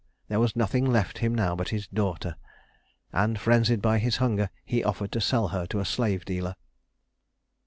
There was nothing left him now but his daughter; and frenzied by his hunger, he offered to sell her to a slave dealer.